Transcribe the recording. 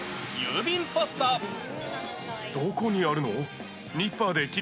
どこにあるの？